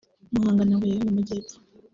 Muhanga na Huye yo mu Majyepfo